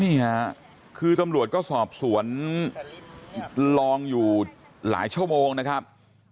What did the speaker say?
นี่ค่ะคือตำรวจก็สอบสวนลองอยู่หลายชั่วโมงนะครับ